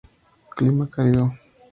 Clima cálido.